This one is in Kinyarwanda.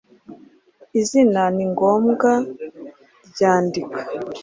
izina ni ngombwa nryandika